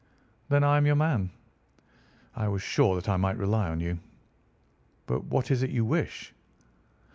"Then I am your man." "I was sure that I might rely on you." "But what is it you wish?"